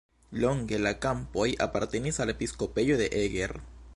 Longe la kampoj apartenis al episkopejo de Eger.